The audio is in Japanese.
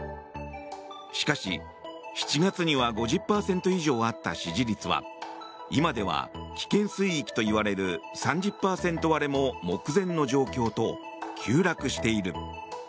しかし、７月には５０％以上あった支持率は今では危険水域といわれる３０％割れも目前の状況と急落している。